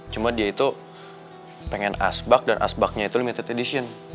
cuma dia itu pengen asbak dan asbaknya itu limited edition